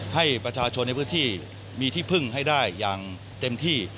ให้ประชาชนในพื้นที่มีที่พึ่งให้ได้อย่างเต็มที่